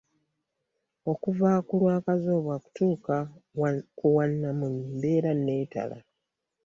Okuva ku lwa kazooba okutuuka ku wamunyi mbeera nneetala.